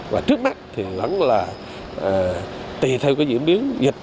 và trước mắt thì vẫn là tùy theo cái diễn biến dịch